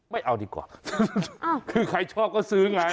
ไม่เอาดีกว่าคือใครชอบก็ซื้อไง